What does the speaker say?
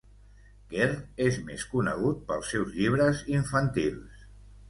Kerr és més conegut pels seus llibres infantils.